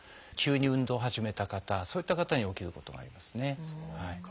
急に運動を始めた方そういった方に起きることがありますね。